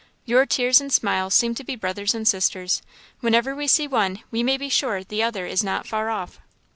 Your tears and smiles seem to be brothers and sisters; whenever we see one we may be sure the other is not far off."